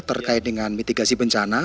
terkait dengan mitigasi bencana